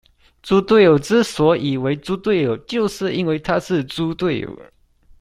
豬隊友之所以為豬隊友，就是因為他是豬隊友